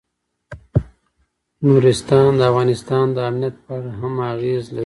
نورستان د افغانستان د امنیت په اړه هم اغېز لري.